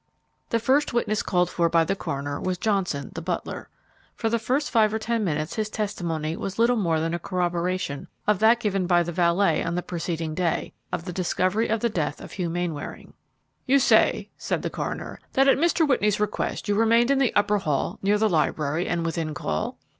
The first witness called for by the coroner was Johnson, the butler. For the first five or ten minutes his testimony was little more than a corroboration of that given by the valet on the preceding day, of the discovery of the death of Hugh Mainwaring. "You say," said the coroner, "that at Mr. Whitney's request you remained in the upper hall, near the library and within call?"